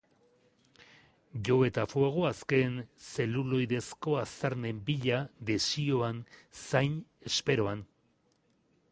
Jo eta fuego azken zeluloidezko aztarnen bila, desioan, zain, esperoan.